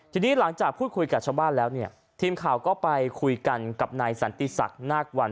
ทีนี้หลังจากพูดคุยกับชาวบ้านแล้วเนี่ยทีมข่าวก็ไปคุยกันกับนายสันติศักดิ์นาควัน